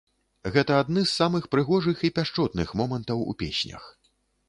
Гэта адны з самых прыгожых і пяшчотных момантаў у песнях.